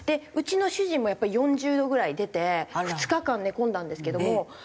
うちの主人もやっぱり４０度ぐらい出て２日間寝込んだんですけども。